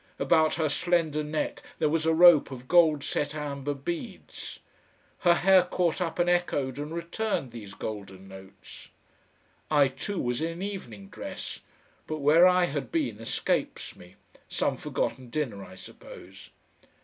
About her slender neck there was a rope of gold set amber beads. Her hair caught up and echoed and returned these golden notes. I, too, was in evening dress, but where I had been escapes me, some forgotten dinner, I suppose.